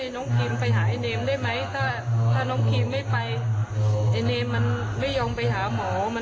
น้องเขาเลยมาบอกแม่เข้าใจใช่ไหม